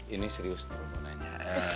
ini serius tuh mau nanya